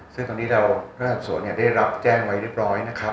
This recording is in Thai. ซึ่งตอนนี้เราพนักงานสวนได้รับแจ้งไว้เรียบร้อยนะครับ